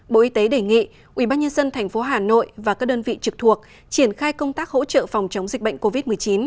bộ y tế đề nghị ubnd tp hà nội và các đơn vị trực thuộc triển khai công tác hỗ trợ phòng chống dịch bệnh covid một mươi chín